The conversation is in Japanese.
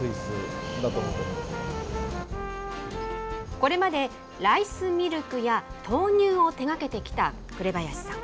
これまでライスミルクや豆乳を手がけてきた榑林さん。